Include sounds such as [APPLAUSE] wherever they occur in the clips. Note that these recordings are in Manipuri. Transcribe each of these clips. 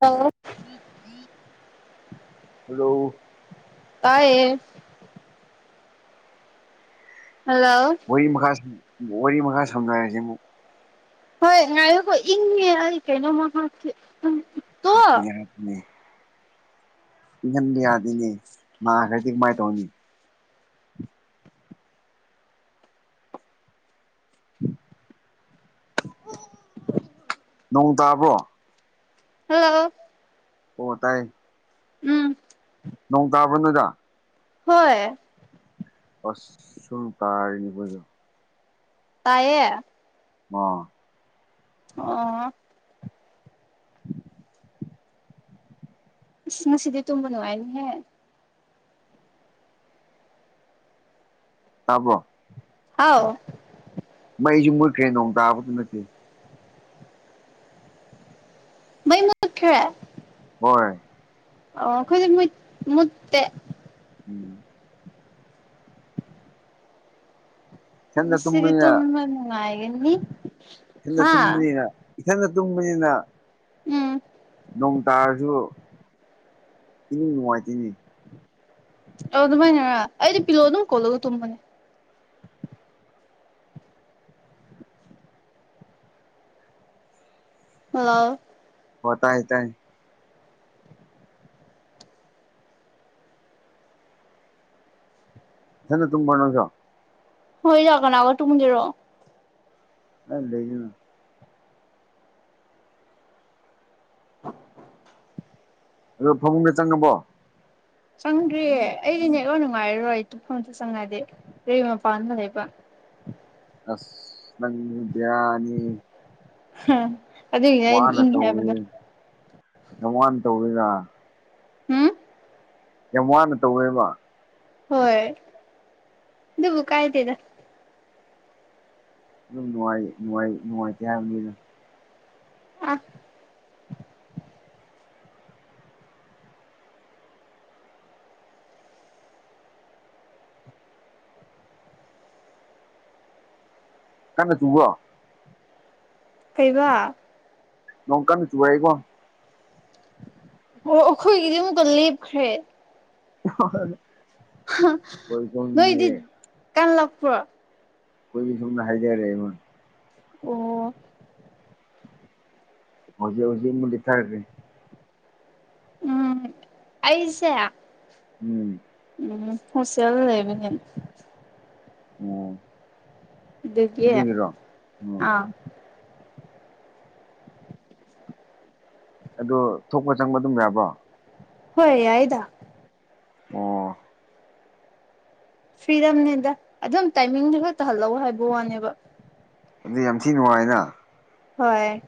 ꯍꯜꯂꯣ [INAUDIBLE] ꯍꯂꯣ ꯇꯑꯦ ꯍꯜꯂꯣ ꯋꯥꯔꯤ ꯃꯈꯥ ꯋꯥꯔꯤ ꯃꯈꯥ ꯁꯣꯖꯔꯁꯤ ꯑꯃꯨꯛ ꯍꯣꯏ ꯉꯣ ꯏꯪꯉ ꯑꯩ ꯀꯩꯅꯣꯃ ꯍꯥꯞꯅꯦ ꯍꯥꯞꯅꯦ ꯏꯪꯍꯟꯕ ꯌꯥꯗꯣꯏꯅꯦ ꯃꯥ ꯈꯗꯤ ꯃꯥꯥꯏ ꯇꯧꯅꯤ ꯎꯝ [INAUDIBLE] ꯅꯣꯡ ꯇꯥꯕꯣ ꯍ ꯇꯥꯏ ꯎꯝ ꯅꯣꯡ ꯇꯥꯕ꯭ꯔꯅꯗ ꯍꯣꯏ ꯑꯁ ꯁꯨꯝ ꯇꯥꯔꯤꯅꯦꯕꯗꯣ ꯇꯌꯦ ꯑ ꯑꯥ ꯃꯁꯤꯗꯤ ꯇꯨꯝꯕꯅꯅꯨꯡꯉꯥꯏꯅꯤꯍꯦ ꯑꯕꯣ ꯍꯥꯎ ꯑꯩꯁꯨ ꯃꯨꯠꯈ꯭ꯔꯦ ꯅꯣꯡ ꯇꯥꯕꯗꯨ ꯅꯠꯇꯦ ꯃꯩ ꯃ ꯈꯦ ꯍꯣꯏ ꯑꯣ ꯈꯣꯏ ꯃꯠꯇꯦ ꯎꯝ ꯏꯊꯟꯗ ꯃꯁꯤꯗꯤ ꯇ ꯇꯨꯝꯕꯅꯤꯅ ꯃꯉꯒꯅꯤ ꯏꯊꯟꯗ ꯇꯨꯝꯕꯅꯤꯅ ꯏꯊꯟꯗ ꯇꯨꯝꯕꯅꯤꯅ ꯎꯝ ꯅꯣꯡ ꯇꯥꯔꯁꯨ ꯏꯅꯤꯡ ꯅꯨꯡꯉꯥꯏꯇꯤꯡꯅꯤ ꯑ ꯑꯗꯨꯃꯥꯏꯅꯔ ꯑꯩꯗꯤ ꯄꯤꯂꯣ ꯑꯗꯨꯝ ꯀꯣꯜꯂꯒ ꯇꯨꯝꯕꯅꯦ ꯍꯂ ꯍꯇꯥ ꯍ ꯇꯦ ꯅ ꯇꯨꯝꯕꯥꯅꯣꯖ ꯍ ꯌꯥꯒꯣꯅ ꯑꯋꯥ ꯇꯨ ꯃꯨꯗꯔꯣ ꯑ ꯂꯩꯅ [UNINTELLIGIBLE] ꯑꯗꯣ ꯐꯃꯨꯡꯗ ꯆꯪꯉꯕꯣ ꯆꯪꯗ꯭ꯔꯤꯌꯦꯦ ꯑꯩꯗꯤ ꯅꯦꯛ ꯂ ꯅꯨꯡꯉꯥꯏꯔꯔꯣꯏ ꯑꯩ ꯇꯨꯐꯝꯇ ꯆꯪꯉꯗꯤ ꯀꯔꯤ ꯃꯄꯥꯟꯗ ꯂꯩꯕ ꯎꯝ ꯑꯁꯪꯅꯤꯕ ꯌꯥꯅꯤ ꯑ ꯑꯗꯨꯗ ꯏ ꯍꯥꯏꯕꯗ ꯑꯦꯃ ꯇꯧꯔꯤꯗ ꯎꯝ ꯌꯥꯝ ꯋꯥꯅ ꯇꯧꯋꯦꯃ ꯍꯣꯏꯣꯏ ꯕꯨ ꯀꯥꯏꯗꯦꯗ ꯑꯗꯨꯝ ꯅꯨꯡꯉꯥꯏ ꯅꯨꯡꯉꯥꯏ ꯅꯨꯡꯉꯥꯏꯇꯦ ꯍꯥꯏꯕ ꯃꯤꯅ ꯑ ꯀꯩꯅ ꯆꯨꯕ ꯀꯩꯕ ꯅꯣꯡꯀꯥꯟꯅ ꯆꯨꯕꯥꯏꯒꯣ ꯑꯣ ꯑꯩꯈꯣꯏꯒꯤꯗꯤ ꯑꯃꯨꯛꯀ ꯂꯦꯞꯈ꯭ꯔꯦ ꯍ ꯅꯣꯏ ꯏꯗꯤ ꯀꯥꯟꯂꯥꯛꯄ꯭ꯔꯣ ꯀꯣꯏꯕꯤ ꯁꯨꯝꯅ ꯍꯥꯏꯖꯔꯦ ꯏꯃꯣꯟ ꯑꯣ ꯍꯧꯖꯤꯛ ꯍꯧꯖꯤꯛ ꯃ ꯂꯤꯊꯔꯒꯦ ꯎꯝ ꯑꯩꯁꯌꯥ ꯎꯝ ꯎꯝ ꯐꯁꯤꯜ ꯂꯩꯕꯅꯤ ꯎꯝ ꯑꯗꯨꯗꯤ ꯎꯝ ꯑꯥ ꯑꯣ ꯊꯣꯛꯄ ꯆꯪꯕ ꯑꯗꯨꯝ ꯌꯥꯕ꯭ꯔꯣ ꯍꯣꯏ ꯌꯥꯏꯗ ꯑꯣ ꯐꯤꯗꯝꯅꯦꯗ ꯑꯗꯨꯝ ꯇꯥꯏꯃꯤꯡꯗꯨ ꯈꯔ ꯇꯥꯍꯜꯂꯛꯑꯣ ꯍꯥꯏꯕ ꯋꯥꯅꯦꯕ ꯑꯗꯨ ꯌꯥꯝ ꯊꯤ ꯅꯨꯡꯉꯥꯏꯅ ꯍꯣꯏ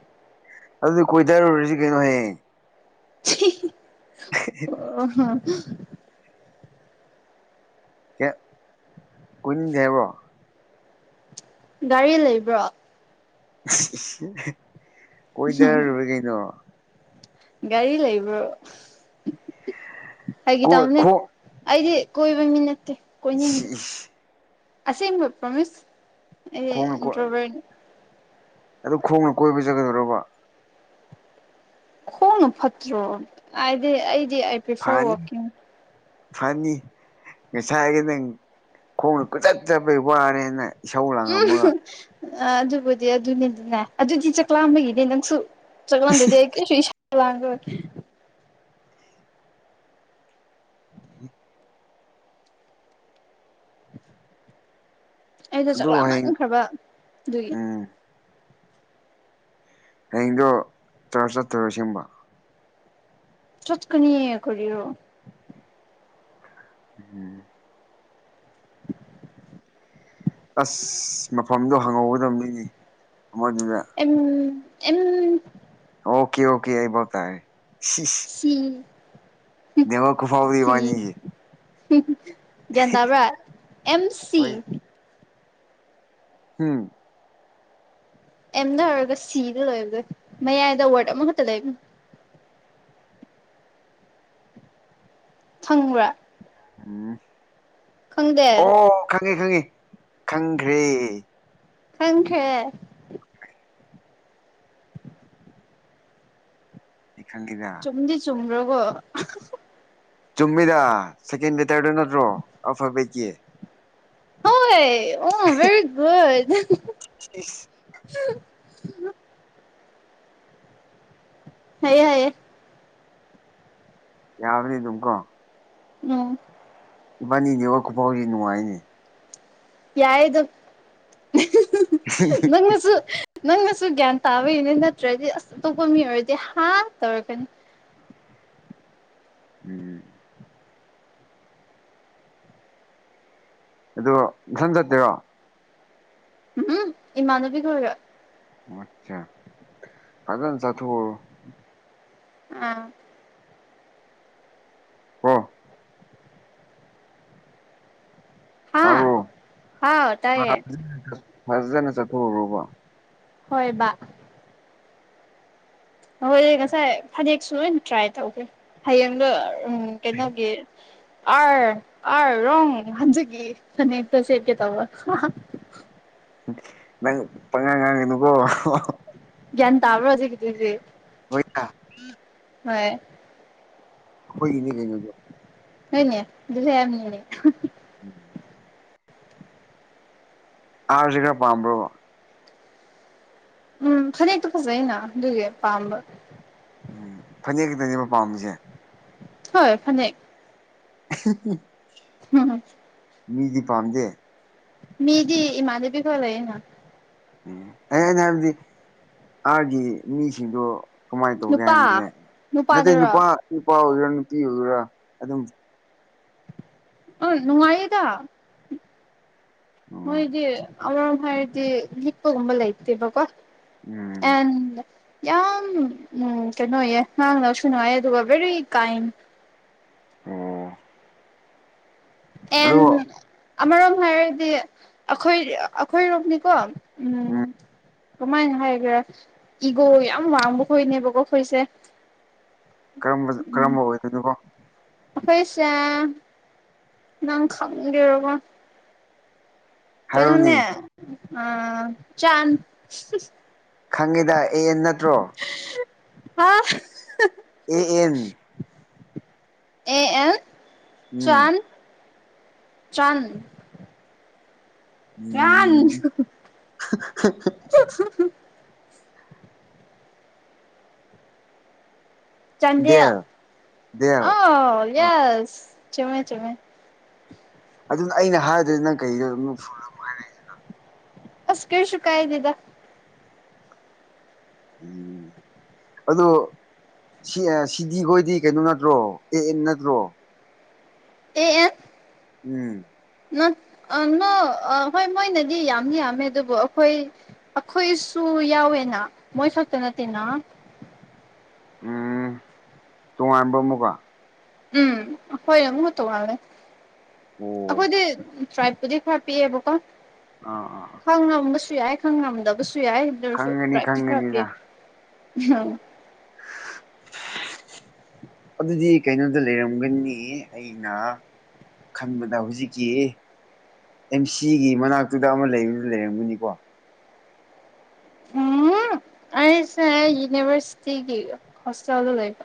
ꯑꯗꯨꯗꯤ ꯀꯣꯏꯗꯥꯔꯨꯔꯁꯤ ꯀꯩꯅꯣꯍꯌꯦ ꯑꯣ ꯀ ꯀꯟꯗꯦꯕ ꯒꯥꯔꯤ ꯂꯩꯕ꯭ꯔꯣ ꯀꯣꯏꯗꯔ ꯀꯩꯅꯣ ꯒꯥꯔꯤ ꯂꯩꯕ꯭ꯔꯣ ꯍꯥꯏꯒꯤ ꯀꯣꯏ ꯇꯧꯅꯦ ꯈꯣꯡ ꯑꯩꯗꯤ ꯀꯣꯏꯕꯤꯃꯤꯅꯦ [UNINTELLIGIBLE] ꯑꯁꯦ ꯄ꯭ꯔꯣꯃꯤꯁ ꯑꯦ ꯈꯣꯡꯅ ꯀꯣꯏ ꯏꯣꯕꯔ ꯑꯗꯨ ꯈꯣꯡꯅ ꯀꯣꯏꯕ ꯆꯒꯗꯧꯔꯕ ꯈꯣꯡꯅ ꯐꯠꯇ꯭ꯔꯣ ꯍꯥꯏꯗꯤ ꯑꯩꯗꯤ ꯑ ꯄ꯭ꯔꯤꯐꯔ ꯐꯅꯤ ꯋꯥꯀꯤꯡ ꯐꯅꯤ ꯉꯁꯥꯏꯒꯤ ꯅꯪ ꯈꯣꯡꯅ ꯀꯨꯆꯠ ꯆꯠꯄꯩ ꯋꯥꯔꯦꯅ ꯏꯁꯧ ꯂꯥꯡꯝ ꯑꯃꯒ ꯑ ꯑꯗꯨꯕꯨꯗꯤ ꯑꯗꯨꯅꯤꯗꯤꯅꯦ ꯑꯗꯨꯗꯤ ꯆꯥꯛꯂꯛꯑꯝꯕꯒꯤꯅꯦ ꯅꯪꯁꯨ ꯆꯥꯛꯂꯝꯝꯗ꯭ꯔꯗꯤ ꯑꯩ ꯀꯩꯁꯨ ꯏꯁꯥ ꯂꯥꯡꯒꯦ ꯑꯩꯗꯣ ꯑꯗꯨ ꯆꯥꯛꯂꯥ ꯍꯌꯦꯡ ꯃꯥꯟꯅꯈ꯭ꯔꯕ ꯑꯗꯨꯒꯤ ꯎꯝ ꯍꯌꯦꯡꯗꯣ ꯆꯔ ꯆꯠꯇꯔꯣ ꯁꯤꯕ ꯆꯠꯀꯅꯤ ꯀꯔꯣ ꯎꯝ [INAUDIBLE] ꯑꯁ ꯃꯐꯝꯗꯣ ꯍꯪꯍꯧꯒꯗꯕ ꯃꯤꯅꯤ ꯑꯝ ꯑꯝ ꯑꯣꯀꯦ ꯑꯣꯀꯦ ꯑꯩꯏꯕꯠꯇꯥꯏ ꯁꯤ ꯅꯃ ꯀꯨꯐꯥꯎꯔꯤ ꯃꯥꯦ ꯭ꯦꯟꯟ ꯇꯕ꯭ꯔꯥ ꯑꯦꯝ ꯁꯤ ꯍꯝ ꯑꯦꯝꯗ ꯍꯥꯏꯔꯒ ꯁꯤꯗ ꯂꯩꯣꯏꯕꯗꯣꯏ ꯃꯌꯥꯏꯗ ꯋꯥꯔꯗ ꯑꯃꯈꯛꯇ ꯂꯩꯕ ꯐꯪꯕ꯭ꯔꯥ ꯎꯝ ꯈꯪꯗꯦ ꯑꯣ ꯈꯪꯉꯦ ꯈꯪꯉꯦ ꯈꯪꯈ꯭ꯔꯦ ꯈꯪ ꯈꯦꯦ ꯑꯩ ꯈꯪꯉꯤꯗ ꯆꯨꯝꯗꯤ ꯆꯨꯝ꯭ꯔꯒꯣ ꯆꯨꯝꯃꯤꯗ ꯁꯦꯀꯦꯟ ꯕꯦꯇꯔꯗꯨ ꯅꯠꯇ꯭ꯔꯣ ꯑꯐꯕ ꯏꯒꯤꯦ ꯍꯣꯏ ꯎ ꯦꯔꯤꯒꯨꯗ ꯁꯤ ꯎꯝ ꯍꯥꯏꯌꯦ ꯍꯥꯏꯌꯦꯦ ꯌꯥꯕꯗꯤ ꯑꯗꯨꯀꯣ ꯎꯝ ꯏꯕꯥꯅꯤꯅꯦꯕ ꯈꯨꯐꯥꯎꯔꯤ ꯅꯨꯡꯉꯥꯏꯅꯦ ꯌꯥꯏ ꯑꯗꯣ ꯅꯪꯅꯁꯨ [INAUDIBLE] ꯅꯪꯅꯁꯨ ꯒ꯭ꯌꯥꯟ ꯇꯥꯕꯒꯤꯅꯦ ꯅꯠꯇ꯭ꯔꯗꯤ ꯑꯁ ꯑꯇꯣꯞꯄ ꯃꯤ ꯑꯣꯏꯔꯗꯤ ꯍꯥ ꯇꯧꯔꯒꯅꯤ ꯎꯝ ꯑꯣ ꯟ ꯆꯠꯇꯦꯔꯣ ꯎꯝ ꯏꯃꯅꯨꯕꯤ ꯈꯔꯔ ꯑꯆꯥ ꯀꯥꯏꯗ ꯁꯥ ꯊ ꯑꯥ ꯍ ꯍꯥ ꯇꯔꯣ ꯍꯥꯎ ꯇꯥꯏꯌꯦ ꯐꯖꯅ ꯆꯠꯊꯣꯛꯎꯨꯔꯣꯕꯣ ꯍꯣꯏ ꯍꯣꯏꯗꯤ ꯉꯁꯥꯏ ꯐꯅꯦꯛꯁꯨ ꯂꯣꯏ ꯇ꯭ꯔꯥꯏ ꯇꯧꯒꯦ ꯍꯌꯦꯡꯗ ꯎꯝ ꯀꯩꯅꯣꯒ ꯑꯔ ꯑꯔ ꯔ ꯍꯟꯖꯒꯤꯛꯇ ꯁꯦꯠ ꯀꯦ ꯇꯕ ꯅꯪ ꯄꯉꯥꯡ ꯉꯥꯡꯉꯀꯣ ꯒꯤꯟꯥꯕꯖꯒꯗꯔꯤ ꯑꯣꯏꯣꯏꯇ ꯍꯣꯏ ꯍꯣꯏꯅꯤ ꯂꯩꯅꯗ ꯍꯣꯏꯅꯦ ꯑꯗꯨꯂ ꯌꯥꯃꯤꯅꯤꯅꯦ ꯎꯝ ꯑꯥꯔꯁꯨ ꯈꯔ ꯄꯥꯝꯕ꯭ꯔꯣ ꯎꯝ ꯐꯅꯛꯇꯣ ꯐꯖꯩꯅ ꯑꯗꯨꯏꯒꯤ ꯄꯥꯝꯕ ꯎꯝ ꯐꯅꯦꯛ ꯈꯤꯇꯪꯅꯦꯕ ꯄꯥꯝꯃꯤꯁꯦ ꯍꯣꯏ ꯐꯅꯤꯦꯛ [UNINTELLIGIBLE] ꯎꯝ ꯃꯤꯗꯤ ꯄꯥꯝꯗꯦ ꯃꯤꯗꯤ ꯏ ꯃꯥꯥꯗꯦꯕꯤꯒꯣꯂꯦꯅ ꯎꯝ ꯑꯩ ꯍꯥꯏꯩꯅ ꯍꯥꯏꯕꯗꯤ ꯑꯥꯒꯤ ꯃꯤꯁꯤꯡꯗꯣ ꯀꯃꯥꯏꯅ ꯇꯧꯒꯦ ꯅꯨꯄꯥ ꯍꯥꯏꯕꯅꯤꯅꯦ ꯅꯠꯇ꯭ꯔ ꯅꯨꯄꯥꯗꯔꯣ ꯅꯨꯄꯥ ꯅꯨꯄꯥ ꯑꯣꯏꯒꯦꯔꯥ ꯅꯨꯄꯤ ꯑꯣꯏꯒꯦꯔꯥ ꯑꯗꯨꯝ ꯑ ꯅꯨꯡꯉꯥꯏꯌꯦꯗ ꯎꯝ ꯃꯣꯏꯗꯤ ꯑꯔ ꯍꯥꯏꯔꯗꯤ ꯂꯤꯅꯤꯞꯄꯒꯨꯝꯕ ꯂꯩꯇꯦꯕꯀꯣ ꯎꯝ ꯑꯦꯟ ꯌꯥꯝ ꯎꯝ ꯀꯩꯅꯣꯌꯦ ꯉꯥꯡꯅꯕꯁꯨ ꯅꯨꯡꯉꯥꯏ ꯑꯗꯨꯒ ꯕꯦꯔꯤ ꯀꯥꯏꯟ ꯑꯣ ꯑꯗꯣ ꯑꯦꯟ ꯑꯃꯔꯣꯝ ꯍꯥꯏꯔꯗꯤ ꯑꯩꯈꯣꯏ ꯑꯩꯈꯣꯏꯔꯣꯝꯅꯤꯀꯣ ꯎꯝ ꯀꯃꯥꯏꯅ ꯍꯥꯏꯈ꯭ꯔꯦ ꯏꯒꯣ ꯌꯥꯝ ꯋꯥꯡꯕꯈꯣꯏꯅꯦꯕꯀꯣ ꯑꯩꯈꯣꯏꯁꯦ ꯀꯝꯕ ꯀꯔꯝꯕ ꯑꯣꯏꯗꯣꯏꯅꯤꯕꯣ ꯄꯩꯁꯥ ꯅꯪ ꯈꯝꯒꯦꯔꯔꯕꯣ ꯍꯥꯏꯔꯣꯅꯦ ꯄꯩꯅꯣꯅꯦ ꯑ ꯆ ꯈꯪꯉꯤꯗ ꯑꯦꯟ ꯅꯠꯇ꯭ꯔꯣ ꯍꯥꯎ ꯑꯦ ꯑꯦꯟ ꯑꯦ ꯑꯦꯟ ꯎꯝ ꯆꯥꯟ ꯆꯟ ꯎꯝ ꯀ ꯆꯟꯗ ꯗꯦꯜ ꯗꯦꯜ ꯑ ꯌꯦꯁ ꯆꯃꯦ ꯆꯃꯦꯦ ꯑꯗꯨꯅ ꯑꯩꯅ ꯍꯥꯏꯔꯗ꯭ꯔꯗꯤ ꯅꯪ ꯀꯩꯗ ꯑꯗꯨꯝ ꯐꯨꯝ ꯍꯥꯏꯔꯛꯏꯁꯤꯅ ꯑꯁ ꯀꯦꯁꯨ ꯀꯥꯏꯗꯗ ꯎꯝ ꯑꯗꯣ ꯁꯤ ꯁꯤꯗꯤ ꯈꯣꯏꯗꯤ ꯀꯩꯅꯣ ꯅꯠꯇ꯭ꯔꯣ ꯑꯦ ꯑꯦꯟ ꯅꯠꯇ꯭ꯔꯣ ꯑꯦ ꯎꯝ ꯅ ꯍꯣꯏ ꯃꯣꯏꯅꯗꯤ ꯌꯥꯝꯗꯤ ꯌꯥꯝꯃꯦ ꯑꯗꯨꯕꯨ ꯑꯩꯈꯣꯏ ꯑꯩꯈꯣꯏꯁꯨ ꯌꯥꯎꯋꯦꯅ ꯃꯣꯏ ꯈꯛꯇ ꯅꯠꯇꯦꯅ ꯎꯝ ꯇꯣꯉꯥꯟꯕ ꯑꯃꯨꯀ ꯎꯝ ꯍꯣꯏ ꯑꯃ ꯇ ꯃꯥꯂꯦ ꯑꯣ ꯑꯩꯈꯣꯏꯗꯤ ꯁ꯭ꯥꯏꯕꯨꯗꯤ ꯈꯔ ꯄꯤꯌꯦꯕ ꯀꯣ ꯑꯥ ꯑꯥ ꯁꯨ ꯌꯥꯏ ꯈꯪꯉꯝꯗꯕꯁꯨ ꯌꯥꯏꯁꯨ ꯈꯪꯒꯅꯤ ꯈꯪꯒꯅꯤꯗ ꯄ꯭ꯔꯛꯇꯤꯔꯛꯀꯦ ꯎꯝ ꯑꯗꯨꯗꯤ ꯀꯩꯅꯣꯗ ꯂꯩꯔꯝꯒꯅꯤ ꯑꯩꯅ ꯈꯟꯕꯗ ꯍꯧꯖꯤꯛꯀꯤ ꯑꯦꯝ ꯁꯤꯒꯤ ꯃꯅꯥꯛꯇꯨꯗ ꯑꯃ ꯂꯩꯕ ꯂꯩꯔꯝꯒꯅꯤꯀꯣ ꯎꯝ ꯑꯩꯁ ꯌꯨꯅꯤꯚꯔꯁꯤꯇꯤꯒꯤ ꯍꯣꯁꯇꯦꯜ ꯂ ꯂꯩꯕ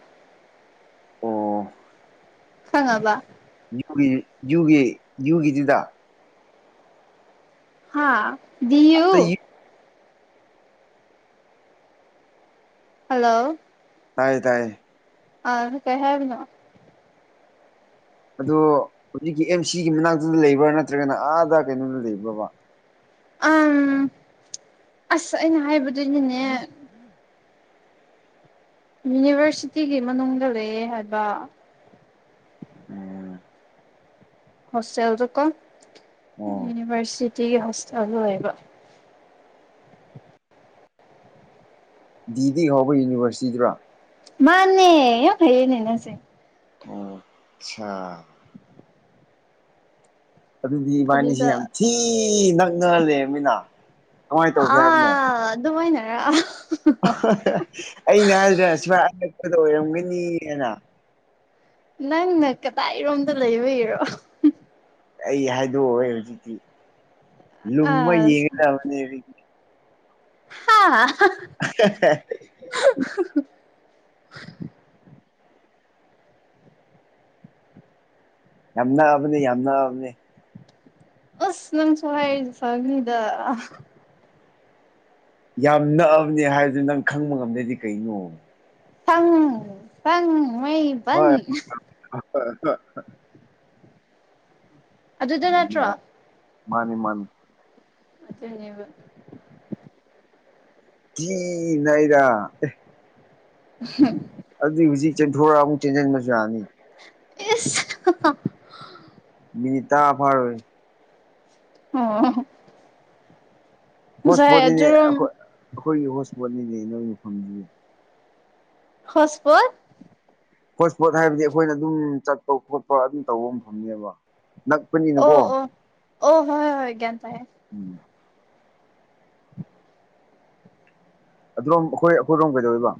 ꯑꯣ ꯍꯉꯕ ꯒꯤ ꯖꯨꯒꯤ ꯖꯨꯒꯤꯁꯤꯗ ꯍꯥꯥ ꯑꯁ ꯌꯨ ꯇꯥꯏꯌꯦ ꯍꯜꯂꯣ ꯇꯥꯏꯌꯦ ꯇꯥꯏꯌꯦ ꯑ ꯀꯩ ꯍꯥꯏꯦꯕꯅ ꯑꯗꯣ ꯍꯧꯖꯤꯛꯀꯤ ꯑꯦꯝ ꯁꯤꯒꯤ ꯃꯅꯥꯛꯇꯗ ꯂꯩꯕ꯭ꯔꯥ ꯅꯠꯇ꯭ꯔꯒꯅ ꯑꯥꯗ ꯀꯩꯅꯣꯗ ꯂꯩꯕ꯭ꯔꯕ ꯑ ꯑꯁ ꯑꯩꯅ ꯍꯥꯏꯕꯗꯨꯅꯦꯅꯦ ꯌꯨꯅꯤꯚꯔꯁꯤꯇꯤꯒꯤ ꯃꯅꯨꯡꯗ ꯂꯩꯌꯦꯦ ꯍꯥꯏꯕ ꯎꯝ ꯍꯣꯁꯇꯦꯜꯗꯨꯀꯣ ꯑꯣ ꯌꯨꯅꯤꯚꯔꯁꯤꯇꯤꯒꯤ ꯍꯣꯁꯇꯦꯜ ꯑꯣꯏꯕ ꯗꯤꯗꯤ ꯍꯧꯕ ꯌꯨꯅꯤꯚꯔꯁꯤꯇꯤꯗꯨꯔ ꯃꯥꯅꯦ ꯐꯩꯅꯦꯅꯁꯦ ꯑꯆꯥ ꯑꯗꯨꯗꯤ ꯏꯕꯥꯅꯤꯁꯤ ꯑꯗꯨꯗ ꯌꯥꯝ ꯊꯤ ꯅꯛꯅꯍꯜꯂꯕꯃꯤꯅ ꯑ ꯑꯗꯨꯃꯥꯏꯅꯔ ꯑꯩꯅ ꯍꯥꯏꯗꯅ ꯁꯨꯃꯏ ꯑꯂꯛꯄꯗ ꯑꯣꯏꯔꯝꯒꯅꯤꯅ ꯅꯪꯅ ꯀꯗꯥꯏꯔꯣꯝꯗ ꯂꯩꯕ ꯏꯔꯣ ꯑꯩ ꯍꯥꯏꯗꯣꯛꯑꯣꯦ ꯍꯧꯖꯤꯛꯇꯤ ꯂꯨꯝꯃ ꯑꯁ ꯌꯦꯡꯒꯗꯕꯅꯦ ꯍꯧꯖꯤꯛꯇꯤ ꯍꯥ [UNINTELLIGIBLE] [UNINTELLIGIBLE] ꯌꯥꯝ ꯅꯥꯕꯅꯤ ꯌꯥꯝ ꯅꯥꯕꯅꯤ ꯑꯁ ꯅꯪ ꯁꯥꯏ ꯍꯥꯏ ꯁꯒꯅꯤꯗ ꯌꯥꯝ ꯅꯛꯑꯕꯅꯦ ꯍꯥꯏꯗꯨ ꯅꯪ ꯈꯪꯕ ꯉꯝꯗ꯭ꯔꯗꯤ ꯀꯩꯅꯣ ꯐꯪ ꯐꯪ ꯃꯕꯟ ꯍ ꯍ ꯑꯗꯨꯗ ꯅꯠꯇ꯭ꯔꯣ ꯃꯥꯅꯤ ꯃꯥꯅꯤ ꯆꯅꯤꯕ ꯀ ꯏꯔ [UNINTELLIGIBLE] ꯑꯗꯨꯏ ꯍꯧꯖꯤꯛ ꯆꯦꯟꯊꯣꯔꯛ ꯑꯃꯨꯛ ꯆꯦꯟꯁꯤꯟꯕꯁꯨ ꯌꯥꯅꯤ ꯑꯦ ꯄ ꯃꯤꯅꯤꯇꯥꯚꯥꯔꯣꯏ ꯑ ꯍꯣꯠꯁꯄꯣꯠꯅꯤꯅꯦꯣꯏ ꯑꯩꯈꯣꯏꯒꯤ ꯍꯣꯠ ꯏꯁꯄꯣꯠꯅꯤꯅꯦ ꯅꯣꯏꯒꯤ ꯃꯐꯝꯁꯤꯗꯤ ꯍꯣꯖꯄ ꯍꯣꯠ ꯏꯁꯄꯣꯠ ꯍꯥꯏꯕꯗꯤ ꯑꯩꯈꯣꯏꯅ ꯑꯗꯨꯝ ꯆꯠꯄ ꯈꯣꯠꯄ ꯑꯗꯨꯝ ꯇꯧꯕ ꯐꯐꯝꯅꯦꯕ ꯑꯣ ꯅꯛꯄꯅꯤꯅꯀꯣ ꯑꯣ ꯑꯣ ꯍꯣꯏ ꯍꯣꯏ ꯒ꯭ꯌꯥꯟ ꯇꯥꯏꯌꯦ ꯎꯝ ꯑꯗꯨꯣꯝ ꯑꯩꯈꯣꯏ ꯑꯩꯈꯣꯏꯔꯣꯝ ꯀꯩꯗꯧꯔꯤꯕ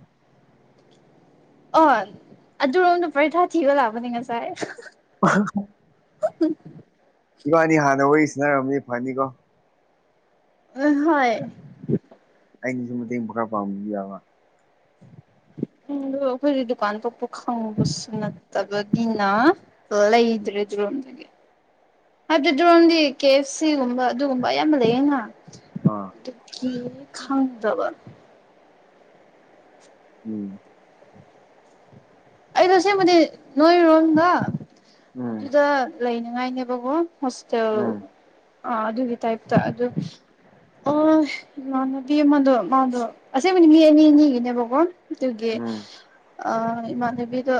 ꯑꯣ ꯑꯗꯨꯔꯣꯅ ꯄꯔꯤꯊꯥ ꯊꯤꯕ ꯂꯥꯛꯑꯕꯅꯤ ꯉꯁꯥꯏ [UNINTELLIGIBLE] ꯎꯝ ꯏꯕꯥꯅꯤ ꯍꯥꯟꯅ ꯋꯥꯔꯤꯁꯤꯅꯔꯔꯕꯅꯤ ꯐꯅꯤꯀꯣ ꯎ ꯍꯣꯏ ꯑꯩꯅꯁꯨ ꯃꯇꯦꯡ ꯈꯔ ꯄꯥꯡꯕ ꯌꯥꯕ ꯎꯗ ꯑꯩꯈꯣꯏꯗꯤ ꯗꯨꯀꯥꯟ ꯄꯣꯛꯄ ꯈꯪꯕꯁꯨ ꯅꯠꯇꯕꯒꯤꯅ ꯐꯂ ꯏ꯭ꯔꯦ ꯑꯗꯨ꯭ꯔꯣꯝꯗꯒꯤ ꯍꯥꯏꯕꯗꯤ ꯗ꯭ꯔꯣꯟꯝꯒꯤ ꯀꯦ ꯑꯦꯐ ꯁꯤꯒꯨꯝꯕ ꯑꯗꯨꯒꯨꯝꯕ ꯑꯌꯥꯝꯕ ꯂꯩꯌꯦ ꯉꯍ ꯑꯥ ꯀ ꯈꯥꯟꯗꯕ ꯎꯝ ꯑꯩ ꯇꯁꯦꯡꯕꯗꯤ ꯅꯣꯏꯔꯣꯝꯗ ꯎꯝ ꯑꯗꯨꯗ ꯂꯩꯅꯤꯉꯥꯏꯅꯦꯕꯀꯣ ꯍꯁ ꯎꯝ ꯑ ꯑꯗꯨꯒꯤ ꯇꯥꯏꯞ ꯇ ꯑꯗꯨ ꯑꯣ ꯏꯃꯥꯟꯅꯕꯤ ꯃꯗꯣ ꯃꯥꯗꯣ ꯑꯁꯦꯡꯕꯅꯤ ꯃꯤ ꯑꯅꯤ ꯑꯅꯤꯒꯤꯅꯦꯕꯀꯣ ꯑꯗꯨꯒꯤ ꯎꯝ ꯑ ꯏꯃꯥꯟꯅꯕꯤꯗ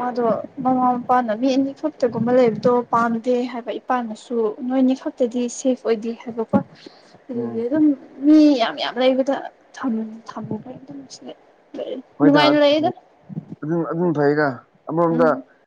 ꯃꯥꯗꯣ ꯃꯃꯥ ꯃꯄꯥꯅ ꯃꯤ ꯑꯅꯤꯈꯛꯇꯒꯨꯝꯕ ꯂꯩꯕꯗꯣ ꯄꯥꯝꯗꯦ ꯍꯥꯏꯕ ꯏꯄꯥꯅꯁꯨ ꯅꯣꯏꯅꯤ ꯈꯛꯇꯗꯤ ꯁꯦꯐ ꯑꯣꯏꯗꯦ ꯍꯥꯏꯕ ꯐ ꯎꯝ ꯑꯗꯨꯗꯒꯤ ꯑꯗꯨꯝ ꯃꯤ ꯌꯥꯝ ꯌꯥꯝ ꯂꯩꯕꯗ ꯊꯃꯩ ꯑꯗꯨꯝ ꯁꯤꯅ ꯍꯣꯏꯗꯝ ꯑꯗꯨꯝ ꯑꯗꯨꯝ ꯐꯩꯒ ꯑꯃꯔꯣꯝꯗ ꯎꯝ